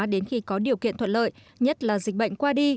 đến khi có điều kiện thuận lợi nhất là dịch bệnh qua đi